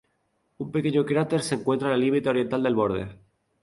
Un pequeño cráter se encuentra en el límite oriental del borde.